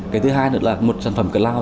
cái thứ hai nữa là một sản phẩm zalo